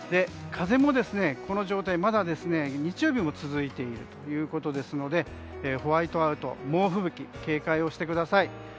風もこの状態、まだ日曜日も続いているということですのでホワイトアウト、猛吹雪警戒をしてください。